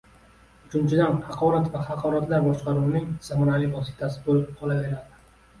Uchinchidan, haqorat va haqoratlar boshqaruvning samarali vositasi bo'lib qolaveradi